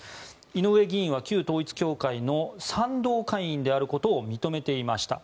井上議員は旧統一教会の賛同会員であることを認めていました。